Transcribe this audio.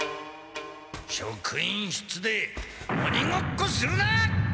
職員室でおにごっこするな！